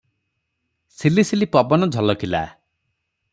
ସିଲି ସିଲି ପବନ ଝଲକିଲା ।